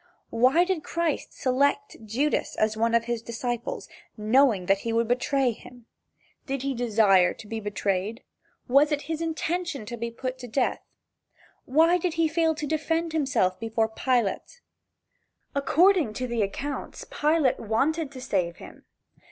Why did Christ select Judas as one of his disciples, knowing that he would betray him? Did he desire to be betrayed? Was it his intention to be put to death? Why did he fail to defend himself before Pilate? According to the accounts, Pilate wanted to save him.